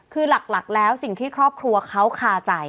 คือหลักแล้วสิ่งที่ครอบครัวเขาคาใจ